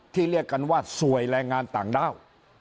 เรียกกันว่าสวยแรงงานต่างด้าว